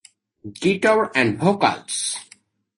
Guitar and vocals.